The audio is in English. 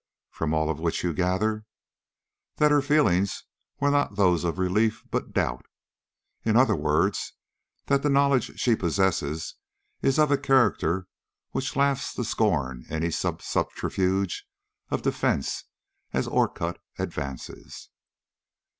"From all of which you gather " "That her feelings were not those of relief, but doubt. In other words, that the knowledge she possesses is of a character which laughs to scorn any such subterfuge of defence as Orcutt advances."